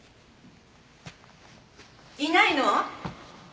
いないの？